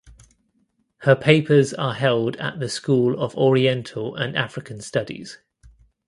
Her papers are held at the School of Oriental and African Studies.